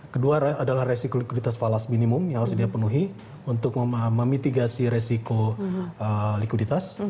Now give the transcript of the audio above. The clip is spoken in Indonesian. kedua adalah resiko likuiditas palas minimum yang harus dia penuhi untuk memitigasi resiko likuiditas